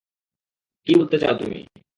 কী বলতে চাও, তুমি?